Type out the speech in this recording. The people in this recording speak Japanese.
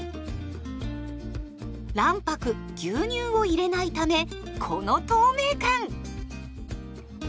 卵白牛乳を入れないためこの透明感！